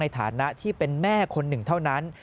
ในฐานะที่เป็นแม่คนหนึ่งเท่านั้น